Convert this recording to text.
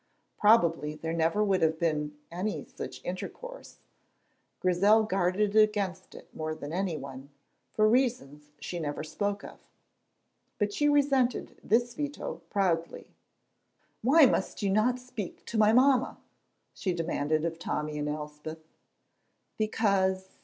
Probably there never would have been any such intercourse; Grizel guarded against it more than anyone, for reasons she never spoke of, but she resented this veto proudly. "Why must you not speak to my mamma?" she demanded of Tommy and Elspeth.